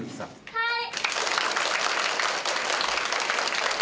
はい。